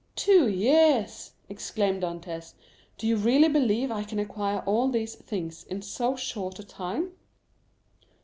"Two years!" exclaimed Dantès; "do you really believe I can acquire all these things in so short a time?"